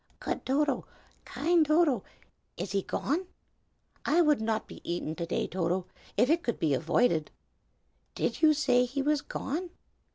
"Good Toto, kind Toto, is he gone? I would not be eaten to day, Toto, if it could be avoided. Did you say he was gone?"